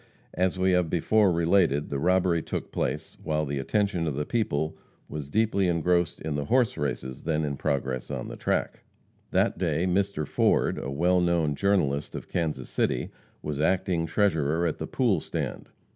As we have before related, the robbery took place while the attention of the people was deeply engrossed in the horse races then in progress on the track. That day Mr. Ford, a well known journalist of Kansas City, was acting treasurer at "the pool stand."